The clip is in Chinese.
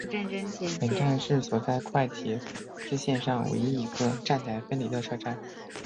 本站是所在的快铁支线上唯一一个站台分离的车站。